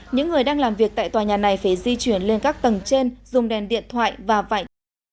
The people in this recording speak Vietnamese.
những người đang làm việc tại tòa nhà này phải di chuyển lên các tầng trên dùng đèn điện thoại và vạch